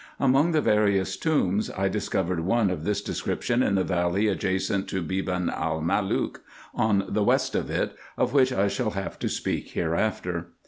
Among the various tombs, I discovered one of this description in the valley adjacent to Beban el Malook on the west of it, of which I shall have to speak hereafter.